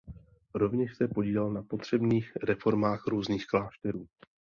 Rovněž se podílel na potřebných reformách různých klášterů.